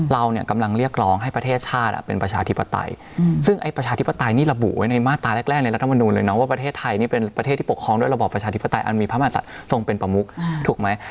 เราเนี่ยกำลังเรียกร้องให้ประเทศชาติเป็นประชาธิปไตยซึ่งไอ้ประชาธิปไตยนี่ระบุไว้ในมาตราแรกในรัฐมนูลเลยนะว่าประเทศไทยนี่เป็นประเทศที่ปกครองด้วยระบอบประชาธิปไตยอันมีพระมหาศัตริย์ทรงเป็นประมุกถูกไหม